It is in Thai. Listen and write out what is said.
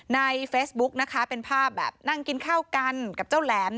ในเฟซบุ๊กนะคะเป็นภาพแบบนั่งกินข้าวกันกับเจ้าแหลม